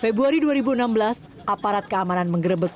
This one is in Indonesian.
februari dua ribu enam belas aparat keamanan mengerebek